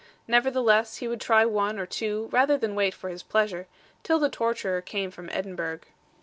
Nevertheless he would try one or two, rather than wait for his pleasure, till the torturer came from Edinburgh.